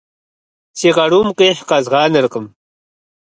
Си къарум къихь къэзгъанэркъым.